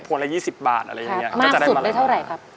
มันยกอะไรมามีมั้ยติดมามีมั้ย